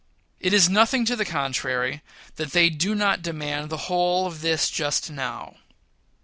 It is nothing to the contrary, that they do not demand the whole of this just now.